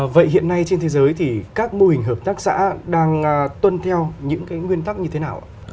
vậy hiện nay trên thế giới thì các mô hình hợp tác xã đang tuân theo những cái nguyên tắc như thế nào ạ